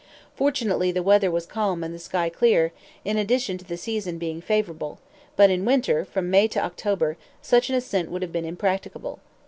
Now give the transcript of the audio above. Fortunately the weather was calm and the sky clear, in addition to the season being favorable, but in Winter, from May to October, such an ascent would have been impracticable.